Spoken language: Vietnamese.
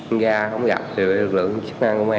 em ra không gặp được lực lượng chức năng công an